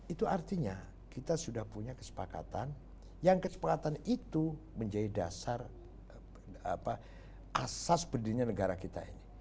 itu artinya kita sudah punya kesepakatan yang kesepakatan itu menjadi dasar asas berdirinya negara kita ini